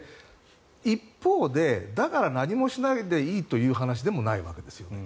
一方で、だから何もしないでいいという話でもないわけですね。